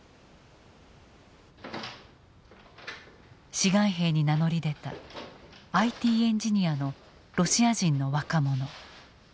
志願兵に名乗り出たＩＴエンジニアのロシア人の若者。